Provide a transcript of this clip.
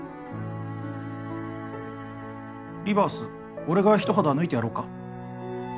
リバース俺が一肌脱いでやろうか？